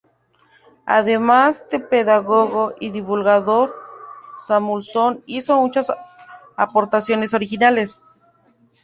Además de pedagogo y divulgador, Samuelson hizo muchas aportaciones originales.